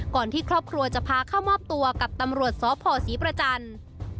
ที่ครอบครัวจะพาเข้ามอบตัวกับตำรวจสพศรีประจันทร์